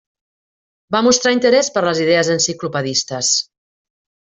Va mostrar interès per les idees enciclopedistes.